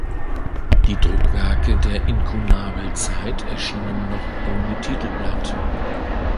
Die Druckwerke der Inkunabelzeit erschienen noch ohne Titelblatt.